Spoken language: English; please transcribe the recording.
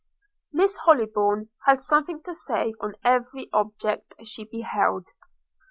Miss Hollybourn had something to say on every object she beheld.